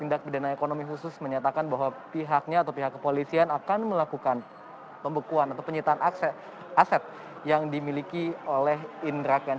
tindak pidana ekonomi khusus menyatakan bahwa pihaknya atau pihak kepolisian akan melakukan pembekuan atau penyitaan aset yang dimiliki oleh indra ken